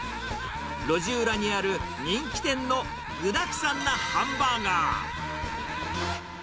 路地裏にある人気店の具だくさんなハンバーガー。